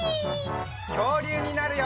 きょうりゅうになるよ！